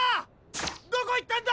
どこいったんだ！